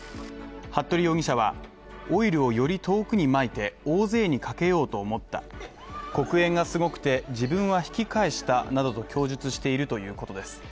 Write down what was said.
服部容疑者は、オイルをより遠くに巻いて、大勢にかけようと思った黒煙がすごくて、自分は引き返したなどと供述しているということです。